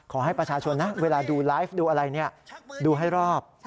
ขอให้ประชาชนนะเวลาดูไลฟ์ดูอะไรดูให้รอบ